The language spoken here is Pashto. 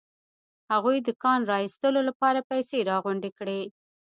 هغوی د کان د را ايستلو لپاره پيسې راغونډې کړې.